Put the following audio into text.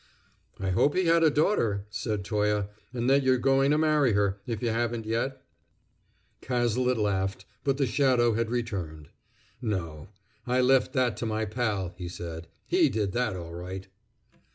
"I hope he had a daughter," said Toye, "and that you're going to marry her, if you haven't yet?" Cazalet laughed, but the shadow had returned. "No. I left that to my pal," he said. "He did that all right!"